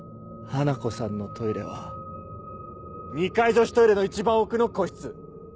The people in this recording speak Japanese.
花子さんのトイレは２階女子トイレの一番奥の個室。